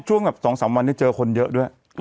ช่วงหลับสองสามวันนี้เจอคนเยอะด้วย